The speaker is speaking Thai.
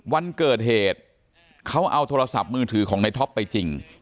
วันเกิดเหตุเขาเอาโทรศัพท์มือถือของในท็อปไปจริง